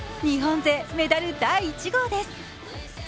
日本勢メダル第１号です。